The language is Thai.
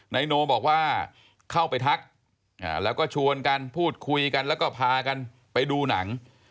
นายโนบอกว่าเข้าไปทักแล้วก็ชวนกันพูดคุยกันแล้วก็พากันไปดูหนัง